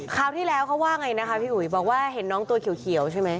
คราวที่แล้วเขาว่าไงนะคะพี่อุ๋ยบอกว่าเห็นน้องตัวเขียวใช่ไหม